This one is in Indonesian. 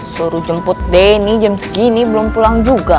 suruh jemput denny jam segini belum pulang juga